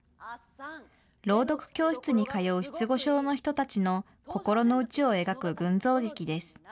朗読教室に通う失語症の人たちの心の内を描く群像劇です。